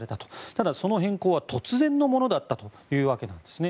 ただ、その変更は突然のものだったというわけなんですね。